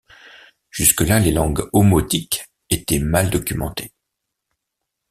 Jusque-là, les langues omotiques étaient mal documentées.